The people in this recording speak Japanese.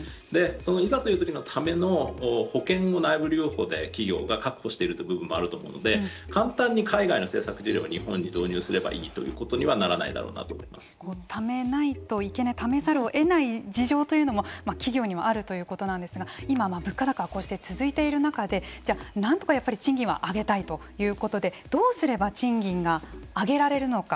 その、いざという時のための保険を内部留保で企業が確保していることがあるので簡単に海外の政策事例を日本に導入すればいいということにはならないとためないといけないためざるを得ない事情も企業にはあるということなんですが今、物価高はこうして続いている中でじゃあ、なんとか賃金は上げたいということでどうすれば賃金が上げられるのか。